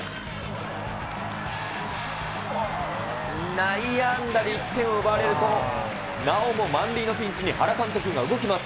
内野安打で１点を奪われると、なおも満塁のピンチに原監督が動きます。